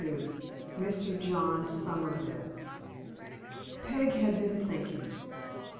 MR. JOHN SOMERVILLE. PEG had been thinking.